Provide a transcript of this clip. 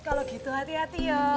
kalau gitu hati hati ya